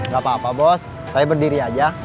gak apa apa bos saya berdiri aja